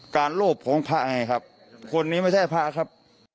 การรูปผมพระไงครับคนนี้ไม่ใช่พระครับ